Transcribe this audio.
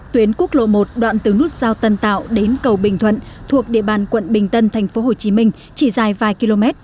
tuyến quốc lộ một đoạn từ nút sao tân tạo đến cầu bình thuận thuộc địa bàn quận bình tân thành phố hồ chí minh chỉ dài vài km